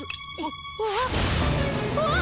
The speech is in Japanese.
あっ！